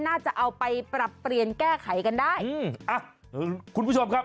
น่าจะเอาไปปรับเปลี่ยนแก้ไขกันได้อืมอ่ะคุณผู้ชมครับ